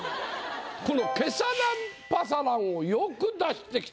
この「ケサランパサラン」をよく出してきた！